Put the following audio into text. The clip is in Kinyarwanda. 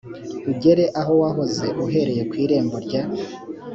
ugere aho wahoze uhereye ku irembo rya